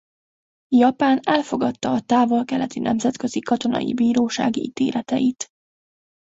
Japán elfogadta a Távol-Keleti Nemzetközi Katonai Bíróság ítéleteit.